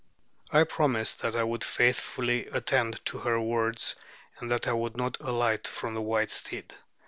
I promised that I would faithfully attend to her words, and that I would not alight from the white steed.